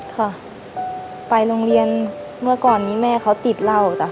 ค่ะไปโรงเรียนเมื่อก่อนนี้แม่เขาติดเหล้าจ้ะ